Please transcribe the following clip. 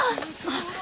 あっ！